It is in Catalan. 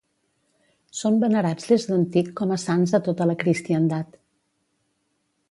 Són venerats des d'antic com a sants a tota la cristiandat.